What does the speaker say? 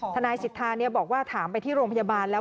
ทนายสิทธาบอกว่าถามไปที่โรงพยาบาลแล้ว